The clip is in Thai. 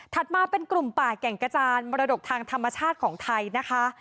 มาเป็นกลุ่มป่าแก่งกระจานมรดกทางธรรมชาติของไทยนะคะ